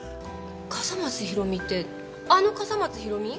笠松ひろみってあの笠松ひろみ？